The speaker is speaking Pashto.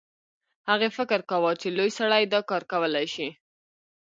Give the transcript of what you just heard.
هغې فکر کاوه چې لوی سړی دا کار کولی شي